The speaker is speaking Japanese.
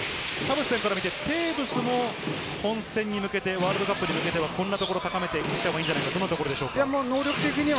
田臥さんから見て、テーブスも本戦に向け、ワールドカップに向け、こんなところを高めていくのはどんなところでしょうか。